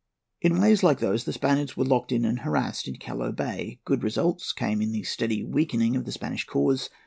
In ways like those the Spaniards were locked in, and harassed, in Callao Bay. Good result came in the steady weakening of the Spanish cause.